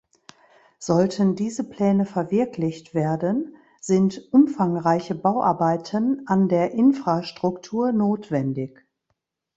Sollten diese Pläne verwirklicht werden, sind umfangreiche Bauarbeiten an der Infrastruktur notwendig.